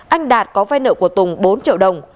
anh đạt có vai nợ của tùng bốn triệu đồng